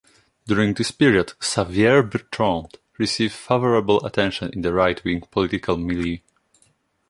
During this period, Xavier Bertrand received favourable attention in the right-wing political milieu.